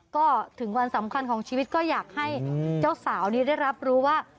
ก็ถึงวันสำคัญของชีวิตก็อยากให้เจ้าสาวนี้ได้รับรู้ว่า